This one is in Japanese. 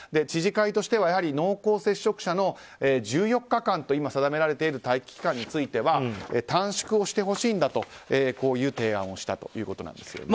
知事会としては濃厚接触者の１４日間と今、定められている待機期間に関しては短縮してほしいんだと提案をしたということです。